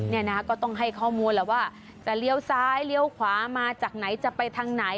ก็ต้องให้ข้อมูลแหละว่าจะเลี้ยวซ้ายเลี้ยวขวามาจากไหนจะไปทางไหน